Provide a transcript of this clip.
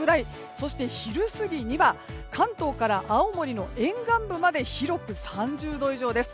そして、昼過ぎには関東から青森の沿岸部まで広く３０度以上です。